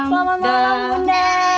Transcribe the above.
selamat malam bunda